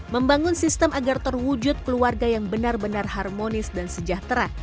membangun sistem agar terwujud keluarga yang benar benar harmonis dan sejahtera